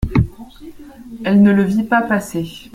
Elle ne le vit pas passer.